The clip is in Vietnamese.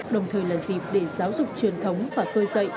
đồng thời là dịp để giáo dục truyền thống và cơ dạy